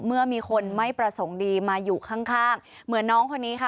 เมื่อมีคนไม่ประสงค์ดีมาอยู่ข้างข้างเหมือนน้องคนนี้ค่ะ